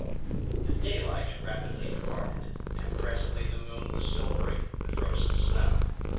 The daylight rapidly departed; and presently the moon was silvering the frozen snow.